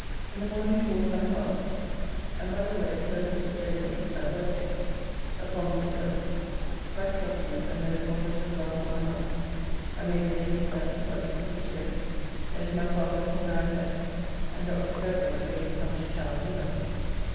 In the morning towards my father's, and by the way heard Mr. Jacomb, at Ludgate, upon these words, "Christ loved you and therefore let us love one another," and made a lazy sermon, like a Presbyterian. Then to my father's and dined there, and Dr. Fairbrother (lately come to town) with us.